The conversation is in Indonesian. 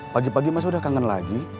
pagi pagi mas udah kangen lagi